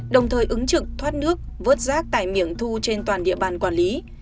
đồng thời ứng trực thoát nước vớt rác tại miệng thu trên toàn địa bàn quản lý